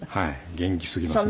元気すぎますね。